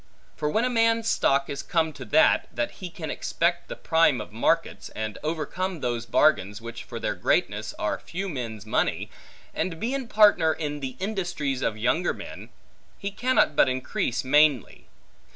For when a man's stock is come to that, that he can expect the prime of markets, and overcome those bargains, which for their greatness are few men's money, and be partner in the industries of younger men, he cannot but increase mainly.